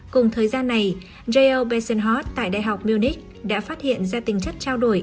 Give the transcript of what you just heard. cùng thời gian này j l bessenhot tại đại học munich đã phát hiện ra tính chất trao đổi